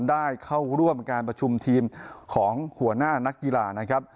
ได้เข้าร่วมการประชุมทีมของหัวหน้านักกีฬานะครับ